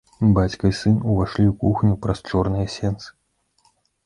Бацька і сын увайшлі ў кухню праз чорныя сенцы.